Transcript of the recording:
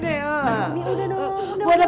amin udah dong